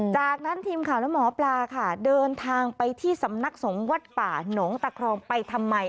จากนั้นทีมข่าวและหมอปลาค่ะเดินทางไปที่สำนักสงฆ์วัดป่าหนองตะครองไปทำไม